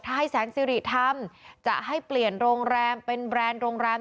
ถ้าให้แสนสิริทำจะให้เปลี่ยนโรงแรมเป็นแบรนด์โรงแรม